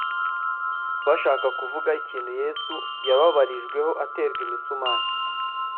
bashaka kuvuga ikintu Yesu yababarijweho aterwa imisumari